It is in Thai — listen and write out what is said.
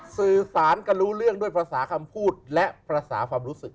สื่อสารกันรู้เรื่องด้วยภาษาคำพูดและภาษาความรู้สึก